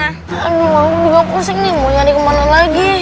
ani banget di mana pusing nih mau nyari kemana lagi